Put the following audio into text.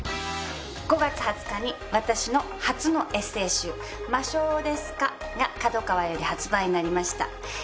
５月２０日に私の初のエッセイ集『魔性ですか？』がＫＡＤＯＫＡＷＡより発売になりました。